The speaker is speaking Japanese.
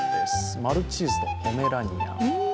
マルチーズとポメラニアン。